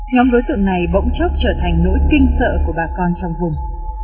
nhóm đối tượng này bỗng chốc trở thành nỗi kinh sợ của bà con trong vùng